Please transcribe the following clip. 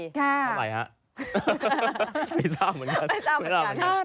ใบเท่าไหร่ไม่ทราบเหมือนกัน